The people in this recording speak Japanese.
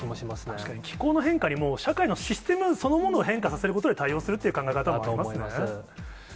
確かに気候の変化に社会のシステムそのものを変化させることで対応するという考え方もあると思いますね。